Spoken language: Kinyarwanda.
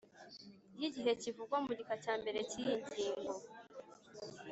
Y igihe kivugwa mu gika cya mbere cy iyi ngingo